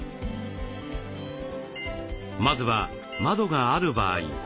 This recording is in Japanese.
まずは窓がある場合。